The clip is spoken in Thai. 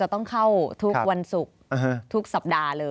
ต้องเข้าทุกวันศุกร์ทุกสัปดาห์เลย